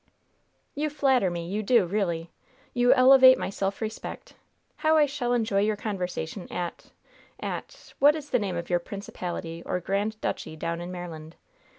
"You flatter me; you do, really. You elevate my self respect. How I shall enjoy your conversation at at What is the name of your principality or grand duchy down in Maryland?